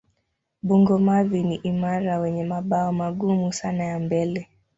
Bungo-mavi ni imara wenye mabawa magumu sana ya mbele.